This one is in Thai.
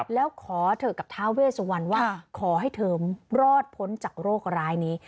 แล้วขอเธอกับท้าเวสวันว่าขอให้เธอรอดพ้นจากโรคร้ายนี้